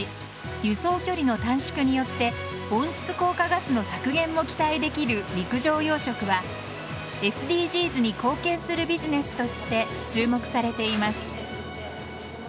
輸送距離の短縮によって温室効果ガスの削減も期待できる陸上養殖はＳＤＧｓに貢献するビジネスとして注目されています。